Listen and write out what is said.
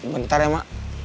bentar ya mak